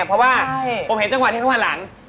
เพราะว่าผมเห็นจังหวะที่เขาหันหลัง